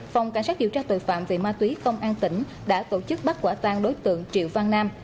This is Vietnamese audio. phòng cảnh sát điều tra tội phạm về ma túy công an tỉnh đã tổ chức bắt quả tang đối tượng triệu văn nam